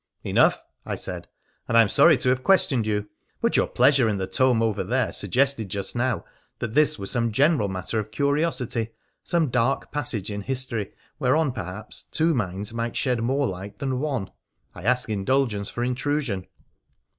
' Enough !' I said, ' and I am sorry to have questioned you ; but your pleasure in the tome over there" suggested just now that this were some general matter of curiosity — some dark passage in history whereon, perhaps, two minds might shed more light than one. I ask indulgence for in trusion.'